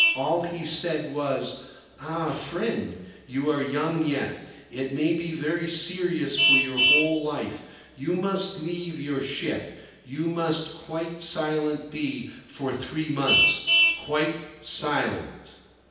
All he said was: "Ah, friend, you are young yet; it may be very serious for your whole life. You must leave your ship; you must quite silent be for three months—quite silent."